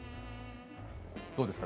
どうですか？